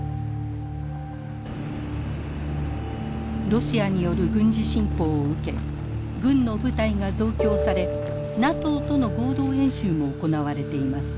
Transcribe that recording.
ロシアによる軍事侵攻を受け軍の部隊が増強されＮＡＴＯとの合同演習も行われています。